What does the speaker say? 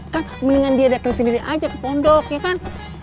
kan mendingan dia datang sendiri aja ke pondok ya kan